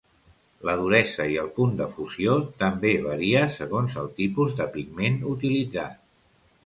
La duresa i el punt de fusió també varia segons el tipus de pigment utilitzat.